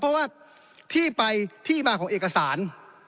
เพราะว่าที่ไปที่มาของเอกสาร